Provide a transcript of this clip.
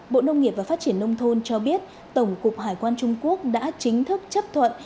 bộ nông nghiệp và phát triển nông thôn cho biết tổng cục hải quan trung quốc đã chính thức chấp thuận